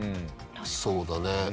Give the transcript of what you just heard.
そうだね。